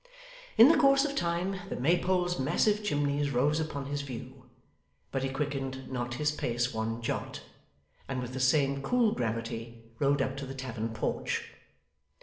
In the course of time, the Maypole's massive chimneys rose upon his view: but he quickened not his pace one jot, and with the same cool gravity rode up to the tavern porch.